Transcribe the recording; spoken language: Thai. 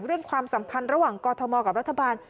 ความสัมพันธ์ระหว่างกอทมกับรัฐบาล